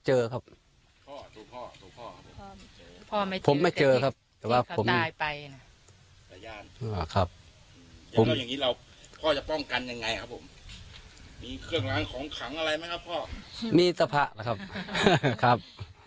นี่พระองค์ก็พอแล้วนี่พระองค์นี่สอยแขนข้ออะไรครับ